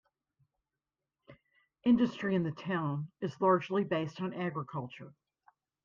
Industry in the town is largely based on agriculture.